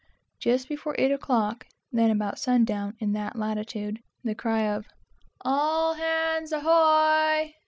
Just before eight o'clock, (then about sun down, in that latitude,) the cry of "All hands ahoy!"